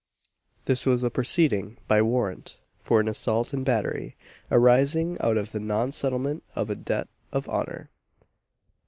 This was a proceeding, by warrant, for an assault and battery, arising out of the non settlement of a debt of honour.